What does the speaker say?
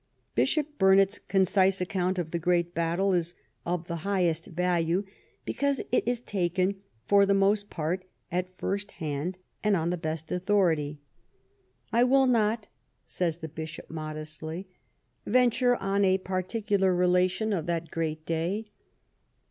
Bishop Burnet's concise account of the great battle is of the highest value, because it is taken, for the most part, at first hand and on the best authority. " I will 117 THE REIGN OF QUEEN ANNE not," says the Bishop, modestly, " venture on a par ticular relation of that great day."